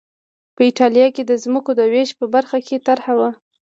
په اېټالیا کې د ځمکو د وېش په برخه کې طرحه وه